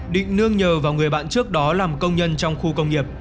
định nương nhờ vào người bạn trước đó làm công nhân trong khu công nghiệp